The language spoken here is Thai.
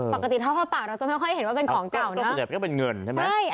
ปกติทอดผ้าปากเราจะไม่ค่อยเห็นว่าเป็นของเก่า